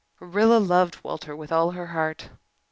Rilla loved Walter with all her heart.